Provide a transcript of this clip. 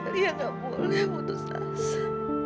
liat gak boleh putus asa